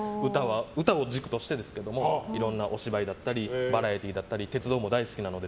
歌を軸としてですけどもいろんなお芝居だったりバラエティーだったり鉄道も大好きなので。